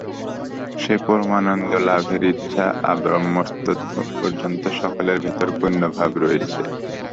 সে পরমানন্দলাভের ইচ্ছা আব্রহ্মস্তম্ব পর্যন্ত সকলের ভেতর পূর্ণভাবে রয়েছে।